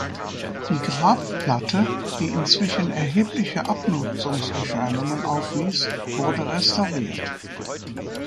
Die Grabplatte, die inzwischen erhebliche Abnutzungserscheinungen aufwies, wurde restauriert.